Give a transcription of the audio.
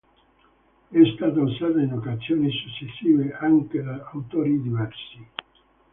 È stata usata in occasioni successive, anche da autori diversi.